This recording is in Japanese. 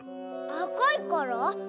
あかいから？